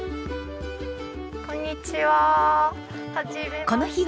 こんにちは。